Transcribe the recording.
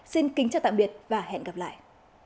xin kính chào tạm biệt và hẹn gặp lại